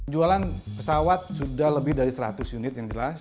jualan pesawat sudah lebih dari seratus unit yang jelas